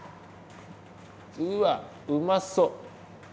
うわっうまそう！